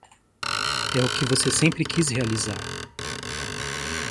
É o que você sempre quis realizar.